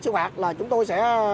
sửa phạt là chúng tôi sẽ